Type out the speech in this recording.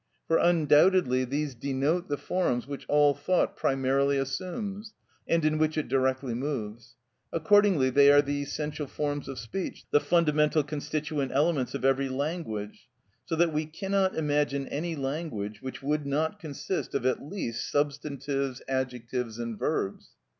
For undoubtedly these denote the forms which all thought primarily assumes, and in which it directly moves; accordingly they are the essential forms of speech, the fundamental constituent elements of every language, so that we cannot imagine any language which would not consist of at least substantives, adjectives, and verbs.